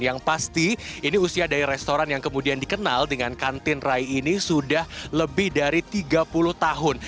yang pasti ini usia dari restoran yang kemudian dikenal dengan kantin rai ini sudah lebih dari tiga puluh tahun